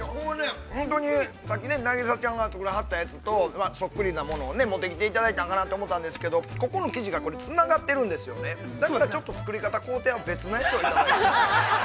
◆本当に、さっき凪咲ちゃんが作らはったやつと、そっくりな物を持ってきていただいたんかなと思ったんですけど、ここの生地が、違うんですよね、ちょっと作り方、工程は別のやつをいただいています。